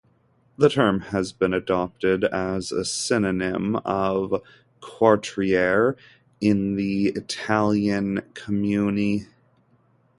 The term has been adopted as a synonym of quartiere in the Italian comuni.